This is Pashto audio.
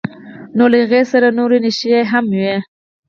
نو له هغې سره نورې نښې هم وي.